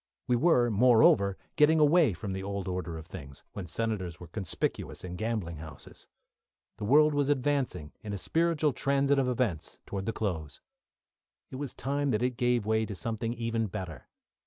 We were, moreover, getting away from the old order of things, when senators were conspicuous in gambling houses. The world was advancing in a spiritual transit of events towards the close. It was time that it gave way to something even better.